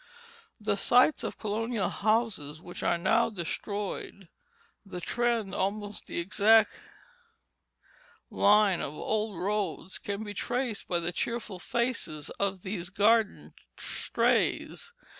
The sites of colonial houses which are now destroyed, the trend, almost the exact line of old roads, can be traced by the cheerful faces of these garden strays.